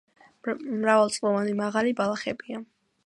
მრავალწლოვანი მაღალი ბალახებია.